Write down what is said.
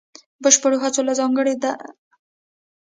بشپړو هڅو له ځانګړې ده.